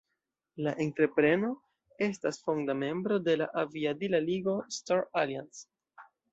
La entrepreno estas fonda membro de la aviadila ligo "Star Alliance".